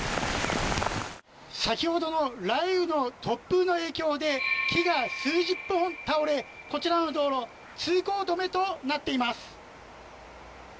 先ほどの雷雨の突風の影響で木が数十本倒れこちらの道路通行止めとなっています。